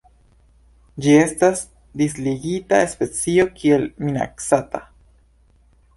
Ĝi estas listigita specio kiel minacata.